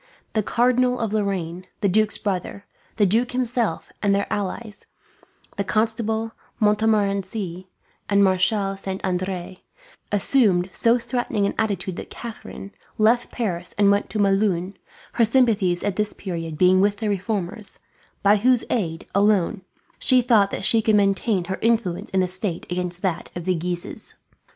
The Cardinal of Lorraine, the duke's brother, the duke himself, and their allies, the Constable Montmorency and Marshal Saint Andre, assumed so threatening an attitude that Catharine left Paris and went to Melun, her sympathies at this period being with the reformers; by whose aid, alone, she thought that she could maintain her influence in the state against that of the Guises.